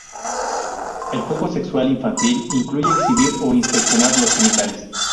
El juego sexual infantil incluye exhibir o inspeccionar los genitales.